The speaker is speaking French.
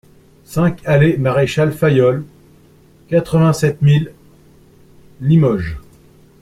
cinq alléE Maréchal Fayolle, quatre-vingt-sept mille Limoges